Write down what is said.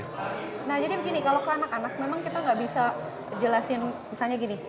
nah jadi begini kalau ke anak anak memang kita nggak bisa jelasin misalnya gini